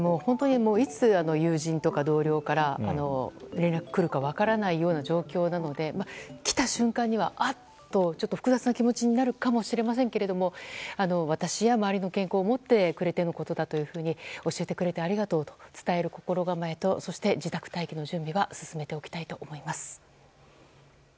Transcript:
でも、いつ友人とか同僚から連絡が来るか分からないような状況なので来た瞬間には、複雑な気持ちになるかもしれませんが私や周りの健康を思ってくれてのことだということで教えてくれてありがとうと伝える心構えとそして自宅待機の準備は進めていきたいと思います。